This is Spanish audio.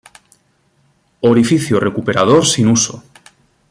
Orificio recuperador sin uso.